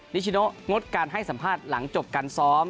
นิชิโนดการให้สัมภาษณ์หลังจบการซ้อม